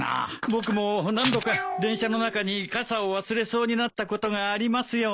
僕も何度か電車の中に傘を忘れそうになったことがありますよ。